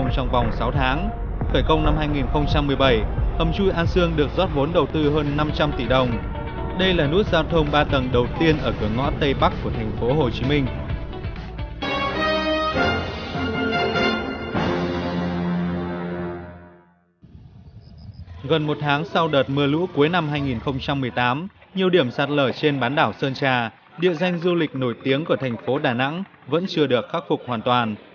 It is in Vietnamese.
gần một tháng sau đợt mưa lũ cuối năm hai nghìn một mươi tám nhiều điểm sát lở trên bán đảo sơn trà địa danh du lịch nổi tiếng của thành phố đà nẵng vẫn chưa được khắc phục hoàn toàn